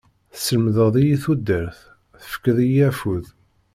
Teslemdeḍ-iyi tudert, tefkiḍ-iyi afud.